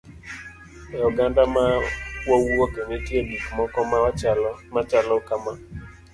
E oganda ma wawuoke nitie gik moko machalo kama.